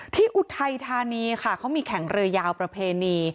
อุทัยธานีค่ะเขามีแข่งเรือยาวประเพณี